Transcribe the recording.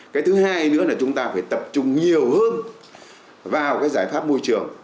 cái thứ hai nữa là chúng ta phải tập trung nhiều hơn vào cái giải pháp môi trường